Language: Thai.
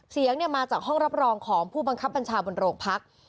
เสียงมาจากห้องรับรองของผู้บังคับบัญชาบนโรงพัก